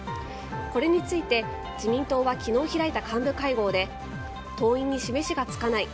これについて、自民党は昨日開いた幹部会合で党員に示しがつかない。